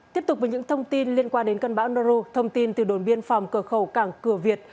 tiếp tục với những thông tin liên quan đến cơn bão nauru thông tin từ đồn biên phòng cửa khẩu cảng cửa việt